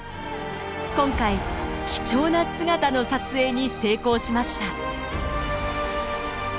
今回貴重な姿の撮影に成功しました。